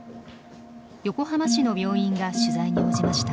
横浜市の病院が取材に応じました。